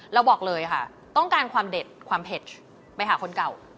บอกเลยค่ะต้องการความเด็ดความเผ็ดไปหาคนเก่า